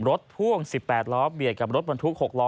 พ่วง๑๘ล้อเบียดกับรถบรรทุก๖ล้อ